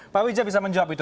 pak wijaya bisa menjawab itu